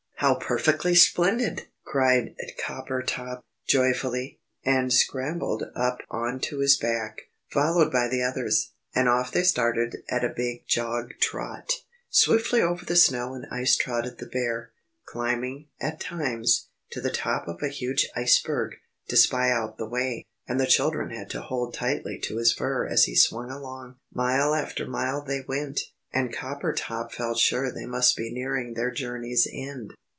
"How perfectly splendid!" cried Coppertop, joyfully, and scrambled up on to his back, followed by the others. And off they started at a big jog trot. Swiftly over the snow and ice trotted the Bear, climbing, at times, to the top of a huge iceberg, to spy out the way, and the children had to hold tightly to his fur as he swung along. Mile after mile they went, and Coppertop felt sure they must be nearing their journey's end.